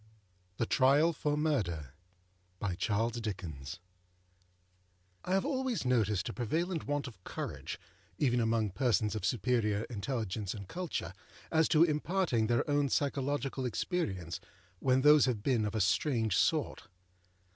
THE TRIAL FOR MURDER. I HAVE always noticed a prevalent want of courage, even among persons of superior intelligence and culture, as to imparting their own psychological experiences when those have been of a strange sort.